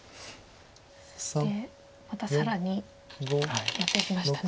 そしてまた更にやっていきましたね。